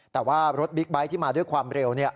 แต่ว่ารถบิ๊กไบท์ที่มาด้วยความเร็ว